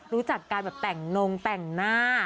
รู้จักการแบบแต่งนงแต่งหน้า